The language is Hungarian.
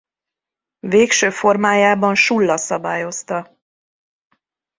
Végső formájában Sulla szabályozta.